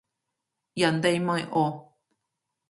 人哋咪哦